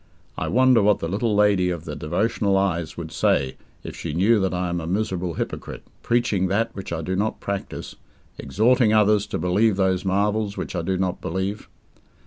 I wonder what the little lady of the devotional eyes would say if she knew that I am a miserable hypocrite, preaching that which I do not practise, exhorting others to believe those marvels which I do not believe?